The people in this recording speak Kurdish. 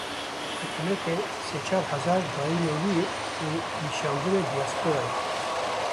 Hikûmetê sê çar hezar dayine wî û wî şandine diyasporayê.